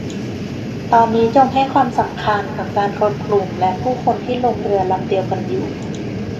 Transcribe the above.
ตอนนี้จงให้ความสำคัญกับการรวมกลุ่มและผู้คนที่ลงเรือลำเดียวกันอยู่